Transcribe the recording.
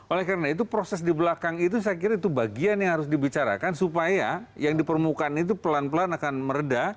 oleh karena itu proses di belakang itu saya kira itu bagian yang harus dibicarakan supaya yang di permukaan itu pelan pelan akan meredah